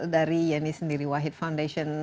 dari yeni sendiri wahid foundation